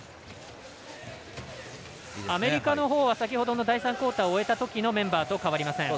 アメリカのほうは第３クオーターを終えたときのメンバーと変わりません。